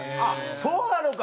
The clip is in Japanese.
そうなのか。